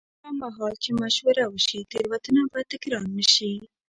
هغه مهال چې مشوره وشي، تېروتنه به تکرار نه شي.